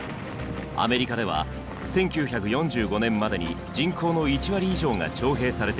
アメリカでは１９４５年までに人口の１割以上が徴兵されていました。